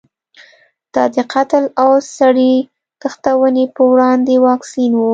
دا د قتل او سړي تښتونې په وړاندې واکسین و.